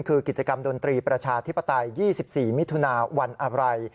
คือกิจกรรมดนตรีประชาธิปไตย๒๔มิถุนาวันอะไร